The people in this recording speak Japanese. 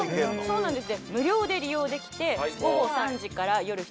そうなんです。